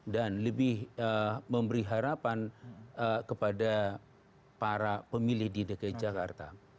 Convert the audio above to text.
dan lebih memberi harapan kepada para pemilih dki jakarta